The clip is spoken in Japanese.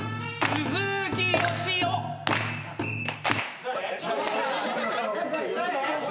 鈴木よしおです。